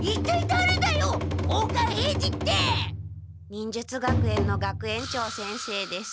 忍術学園の学園長先生です。